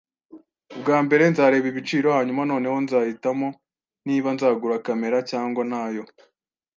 Ubwa mbere nzareba ibiciro, hanyuma noneho nzahitamo niba nzagura kamera cyangwa ntayo.